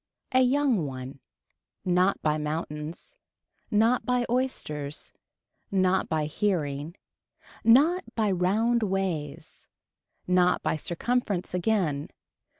A young one. Not by mountains. Not by oysters. Not by hearing. Not by round ways. Not by circumference again.